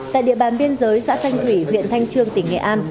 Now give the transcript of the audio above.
tại địa bàn biên giới xã thanh thủy huyện thanh trương tỉnh nghệ an